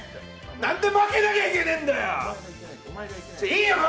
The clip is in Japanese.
なんで負けなきゃいけねえんだよ！